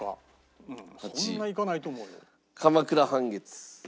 鎌倉半月。